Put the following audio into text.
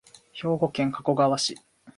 兵庫県加古川市